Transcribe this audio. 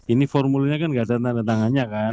ini formulanya kan nggak ada tanda tangannya kan